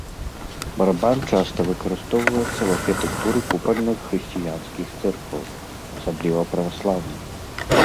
Барабан часта выкарыстоўваецца ў архітэктуры купальных хрысціянскіх цэркваў, асабліва, праваслаўных.